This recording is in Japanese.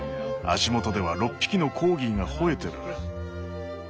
足元では６匹のコーギーがほえてる。